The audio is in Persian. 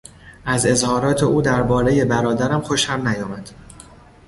از اظهارات او در بارهی برادرم خوشم نیامد.